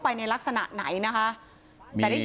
พี่ขอไปร้องข้างในก่อน